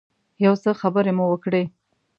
یو څه خبرې مو وکړې.